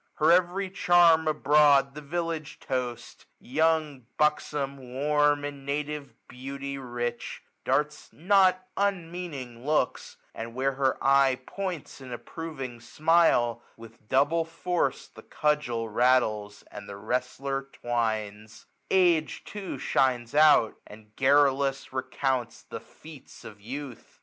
Her every charm abroad^ the village toast, Toung, buxom, warm, in native beauty rich, 1225 Darts not unmeaning looks ; and, where her eye Points an approving smile, with double force, The cudgel rattles, and the wrestler twines* Age too shine^ out ; and, garrulous^ recounts The feats of youth.